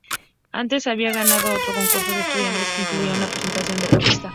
Antes había ganado otro concurso de estudiantes que incluía una presentación a la revista.